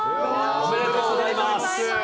おめでとうございます。